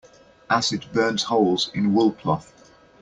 Acid burns holes in wool cloth.